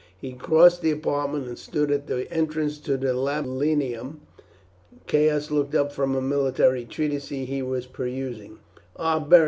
He crossed the apartment, and stood at the entrance to the tablinum. Caius looked up from a military treatise he was perusing. "Ah, Beric!